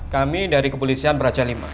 kami dari kepolisian praja lima